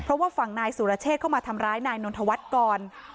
เพราะว่าฝั่งนายสุรเชษเข้ามาทำร้ายนายนนทวัฒน์ก่อน